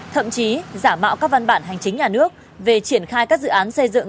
thậm chí giả mạo các văn bản hành chính nhà nước về triển khai các dự án xây dựng